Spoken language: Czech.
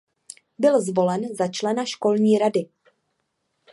Byl zvolen za člena školní rady.